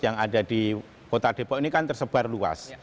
yang ada di kota depok ini kan tersebar luas